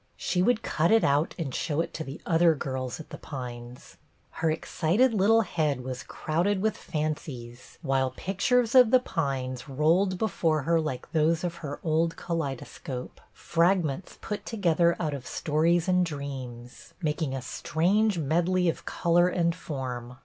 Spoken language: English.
She would cut it out and show it to the other girls at The Pines. Her excited little head was crowded with fancies, while pictures of The Pines rolled before her like those of her old kaleidoscope, — fragments put together out of stories and dreams, — making a strange medley of color and form.